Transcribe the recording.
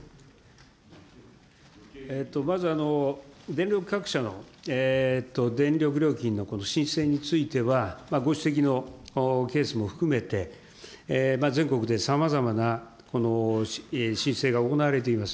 まず、電力各社の電力料金のこの申請については、ご指摘のケースも含めて、全国でさまざまなこの申請が行われています。